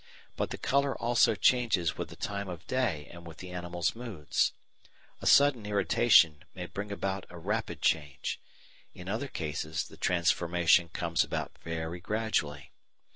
But the colour also changes with the time of day and with the animal's moods. A sudden irritation may bring about a rapid change; in other cases the transformation comes about very gradually.